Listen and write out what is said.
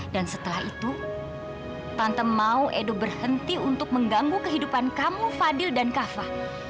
dan setelah itu tante mau edo berhenti untuk mengganggu kehidupan kamu fadil dan kava